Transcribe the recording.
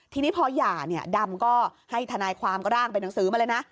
ทีนี้พอหย่าเนี่ยดำก็ให้ทนายความก็ร่างเป็นหนังสือมาเลยนะ